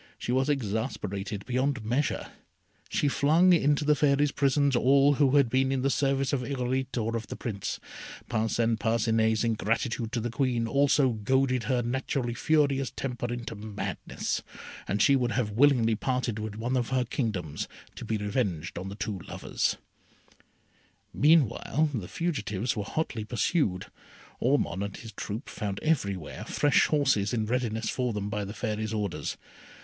She was exasperated beyond measure. She flung into the Fairy's prisons all who had been in the service of Irolite or of the Prince. Parcin Parcinet's ingratitude to the Queen also goaded her naturally furious temper into madness, and she would have willingly parted with one of her kingdoms to be revenged on the two lovers. [Illustration: Perfect Love. P. 63.] Meanwhile the fugitives were hotly pursued: Ormond and his troop found everywhere fresh horses in readiness for them by the Fairy's orders.